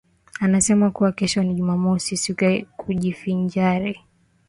Anasema kuwa kesho ni jumamosi, siku ya kujivinjari.